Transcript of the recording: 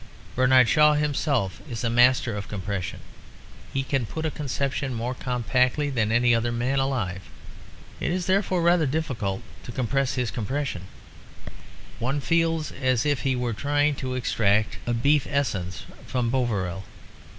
Bernard Shaw himself is a master of compression; he can put a conception more compactly than any other man alive. It is therefore rather difficult to compress his compression; one feels as if one were trying to extract a beef essence from Bovril.